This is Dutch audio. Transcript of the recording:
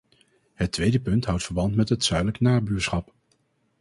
Het tweede punt houdt verband met het zuidelijk nabuurschap.